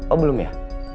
oh belum ya